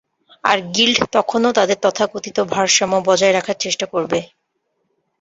আর guild তখনও তাদের তথাকথিত ভারসাম্য বজায় রাখার চেষ্টা করবে।